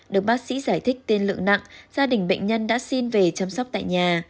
được bác sĩ giải thích tiên lượng nặng gia đình bệnh nhân đã xin về chăm sóc tại nhà